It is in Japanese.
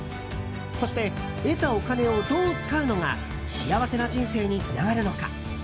そして、得たお金をどう使うのが幸せな人生につながるのか？